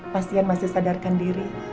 pasien masih sadarkan diri